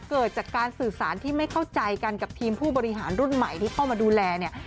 เกิดจากการสื่อสารที่ไม่เข้าใจกันกับทีมผู้บริหารรุ่นใหม่ที่เข้ามาดูแลเนี่ย